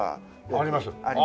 あります？